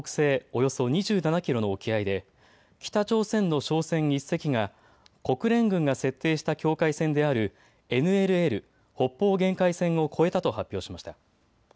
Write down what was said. およそ２７キロの沖合で北朝鮮の商船１隻が国連軍が設定した境界線であるＮＬＬ・北方限界線を越えたと発表しました。